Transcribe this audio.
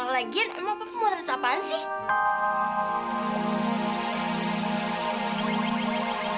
lagian emang pemotret apaan sih